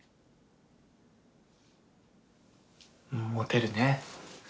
モテるね。